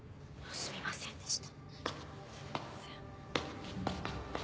すみませんでした。